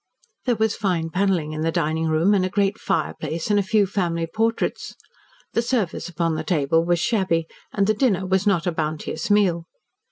There was fine panelling in the dining room and a great fireplace and a few family portraits. The service upon the table was shabby and the dinner was not a bounteous meal.